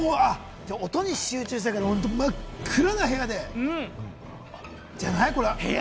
音に集中したいから真っ暗な部屋でじゃない？